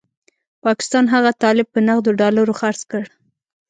پاکستان هغه طالب په نغدو ډالرو خرڅ کړ.